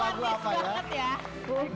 ini lagu syukur romantisnya dimana